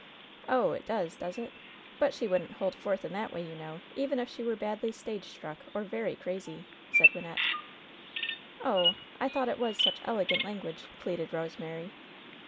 "Oh ! it does, does it ? But she wouldn't hold forth in that way, you know, even if she were badly stage struck or very crazy," said Wynnette. "Oh! I thought it was such elegant language!" pleaded Rosemary.